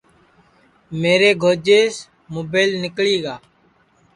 میرے گھوجیس مُبیل نیکݪی گا